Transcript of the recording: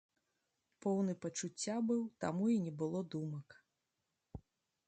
Поўны пачуцця быў, таму і не было думак.